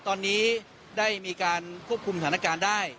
ตอนนี้ได้มีการควบคุมสถานการณ์ได้